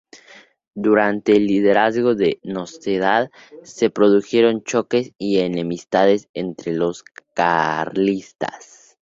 Durante el liderazgo de Nocedal se produjeron choques y enemistades entre los carlistas.